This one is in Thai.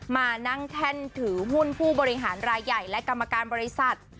มานั่งแท่นถือหุ้นผู้บริหารรายใหญ่และกรรมการบริษัท